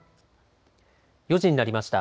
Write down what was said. ４時になりました。